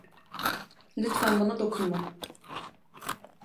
Lütfen bana dokunma.